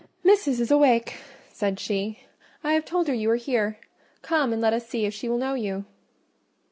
"Missis is awake," said she; "I have told her you are here: come and let us see if she will know you."